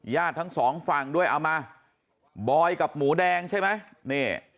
ทั้งสองฝั่งด้วยเอามาบอยกับหมูแดงใช่ไหมนี่